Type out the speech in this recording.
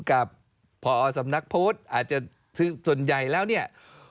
กับพอสำนักพุทธอาจจะคือส่วนใหญ่แล้วเนี่ย